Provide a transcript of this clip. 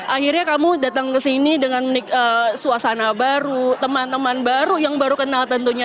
akhirnya kamu datang ke sini dengan suasana baru teman teman baru yang baru kenal tentunya